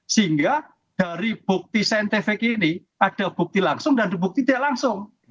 sehingga dari bukti saintifik ini ada bukti langsung dan bukti tidak langsung